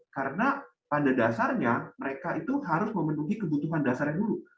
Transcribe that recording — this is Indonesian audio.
karena pada dasarnya mereka itu harus memenuhi kebutuhan dasarnya dulu